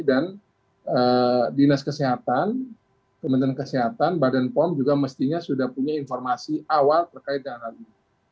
dan dinas kesehatan kementerian kesehatan badan pom juga mestinya sudah punya informasi awal terkait dengan hal ini